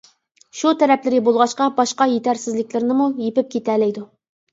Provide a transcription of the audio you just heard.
شۇ تەرەپلىرى بولغاچقا باشقا يېتەرسىزلىكلىرىنىمۇ يېپىپ كېتەلەيدۇ.